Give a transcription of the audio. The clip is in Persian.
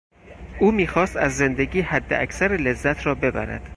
او میخواست از زندگی حداکثر لذت را ببرد.